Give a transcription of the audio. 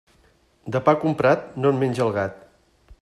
De pa comprat, no en menja el gat.